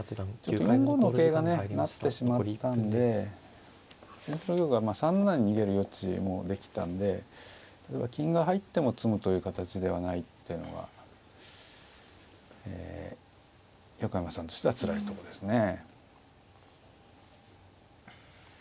４五の桂がね成ってしまったんで先手の玉が３七に逃げる余地もできたんで例えば金が入っても詰むという形ではないというのがえ横山さんとしてはつらいとこですね。